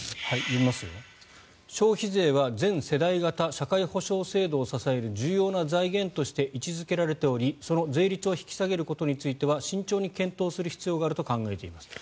消費税は全世代型社会保障制度を支える重要な財源として位置付けられておりその税率を引き下げることについては慎重に検討する必要があると考えています。